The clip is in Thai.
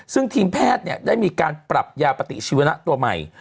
ซึ่งทีมแพทย์ได้มีการปรับยาปฏิชีวนะตัวใหม่